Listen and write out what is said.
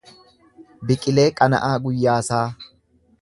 Biqilee Qana’aa Guyyaasaa